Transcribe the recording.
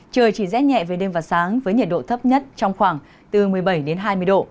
trời chỉ rét nhẹ về đêm và sáng với nhiệt độ thấp nhất trong khoảng từ một mươi bảy đến hai mươi độ